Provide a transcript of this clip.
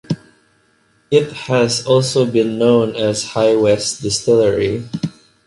It has also been known as High West Distillery.